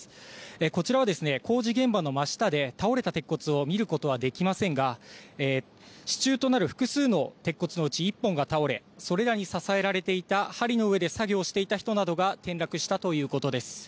こちらは工事現場の真下で倒れた鉄骨を見ることはできませんが支柱となる複数の鉄骨のうち１本が倒れ、それらに支えられていた、はりの上で作業していた人などが転落したということです。